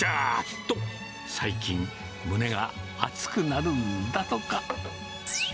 と、最近、胸が熱くなるんだとか。